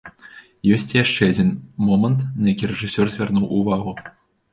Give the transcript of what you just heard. Ёсць і яшчэ адзін момант, на які рэжысёр звярнуў увагу.